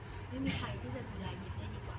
ก็จะเป็นใครที่จะดูแลบี๊ได้ดีกว่า